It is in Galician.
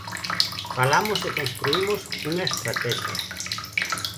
Falamos e construímos unha estratexia.